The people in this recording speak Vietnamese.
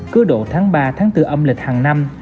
cứ độ tháng ba tháng bốn âm lịch hàng năm